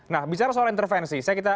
nah bicara soal intervensi